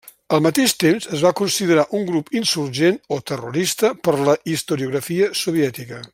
Al mateix temps es va considerar un grup insurgent o terrorista per la historiografia soviètica.